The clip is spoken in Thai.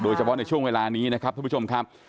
เฉพาะในช่วงเวลานี้นะครับทุกผู้ชมครับ